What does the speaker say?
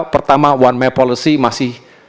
pertama one map policy masih